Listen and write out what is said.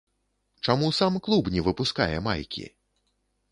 Чаму сам клуб не выпускае майкі?